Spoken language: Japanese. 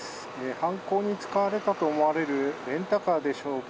犯行に使われたと思われるレンタカーでしょうか。